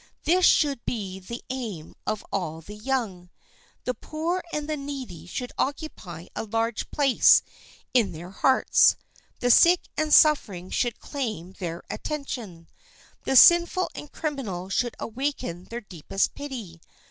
This should be the aim Of all the young. The poor and the needy should occupy a large place in their hearts. The sick and suffering should claim their attention. The sinful and criminal should awaken their deepest pity.